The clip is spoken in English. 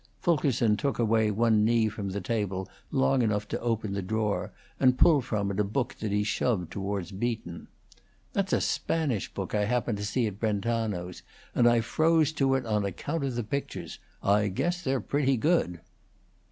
Fulkerson took away one knee from the table long enough to open the drawer, and pull from it a book that he shoved toward Beacon. "That's a Spanish book I happened to see at Brentano's, and I froze to it on account of the pictures. I guess they're pretty good."